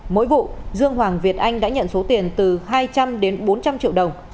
mỗi vụ dương hoàng việt anh đã nhận số tiền từ hai trăm linh đến bốn trăm linh triệu đồng